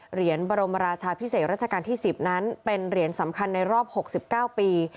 เหรียญบรมราชาพิเศษรัชกาลที่๑๐นั้นเป็นเหรียญสำคัญในรอบ๖๙ปี